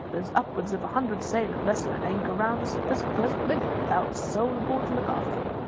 There's upwards of a hundred sail of vessels at anchor round about us at this present minute, without a soul aboard to look after 'em.